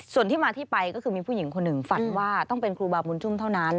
ส่วนที่มาที่ไปก็คือมีผู้หญิงคนหนึ่งฝันว่าต้องเป็นครูบาบุญชุ่มเท่านั้น